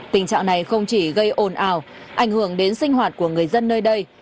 tình trạng này không chỉ gây ồn ào ảnh hưởng đến sinh hoạt của người dân nơi đây